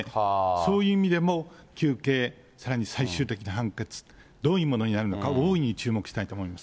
そういう意味でも求刑、さらに最終的な判決、どういうものになるのか、大いに注目したいと思います。